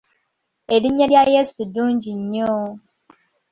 Erinnya lya Yesu ddungi nnyo.